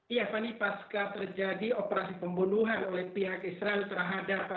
iya fani pasca terjadi operasi pembunuhan oleh pihak israel terhadap